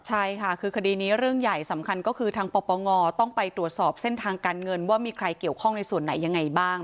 ใช่ค่ะคือคดีนี้เรื่องใหญ่สำคัญก็คือทางปปงต้องไปตรวจสอบเส้นทางการเงินว่ามีใครเกี่ยวข้องในส่วนไหนยังไงบ้าง